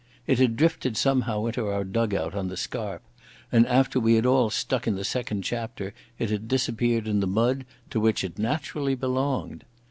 It had drifted somehow into our dug out on the Scarpe, and after we had all stuck in the second chapter it had disappeared in the mud to which it naturally belonged.